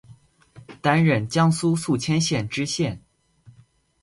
担任江苏宿迁县知县。